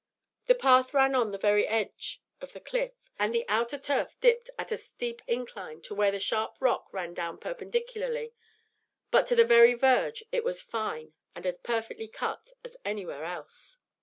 The path ran on the very edge of the Cliff, and the outer turf dipped at a steep incline to where the sharp rock ran down perpendicularly, but to the very verge it was as fine and as perfectly cut as anywhere else.